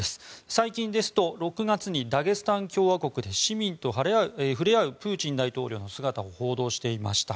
最近ですと６月にダゲスタン共和国で市民と触れ合うプーチン大統領の姿を報道していました。